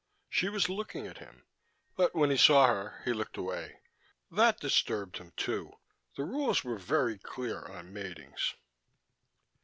She was looking at him but when he saw her he looked away. That disturbed him, too: the rules were very clear on matings.